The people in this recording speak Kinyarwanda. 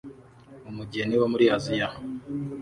Umugeni wo muri Aziya